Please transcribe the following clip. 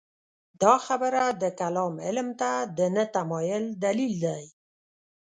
دا خبره د کلام علم ته د نه تمایل دلیل دی.